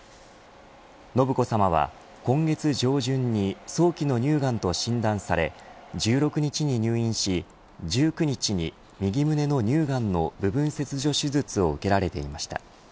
信子さまは今月上旬に早期の乳がんと診断され１６日に入院し、１９日に右胸の乳がんの部分切除手術を受けられていました。